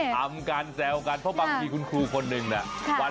ทำการแซวกันเพราะบางทีคุณครูคนหนึ่งเนี่ย